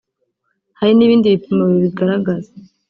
Hari n’ibindi bipimo bibigaragaza